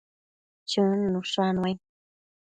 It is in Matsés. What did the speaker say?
Chëd nushannuai